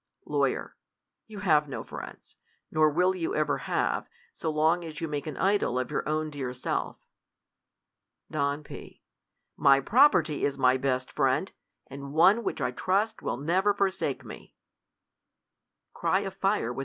Law. Y'ou have no friends ; nor will you ever have,. I long as you make an idol of your own dear self. Don, P. My property is my best friend, and one which I trust will never forsake me. [Cry of fire without